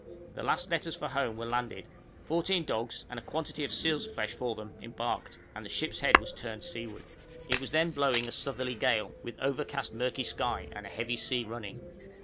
The last letters for home were landed, fourteen dogs and a quantity of seal's flesh for them embarked, and the ship's head was turned seaward. It was then blowing a southerly gale, with overcast murky sky, and a heavy sea running.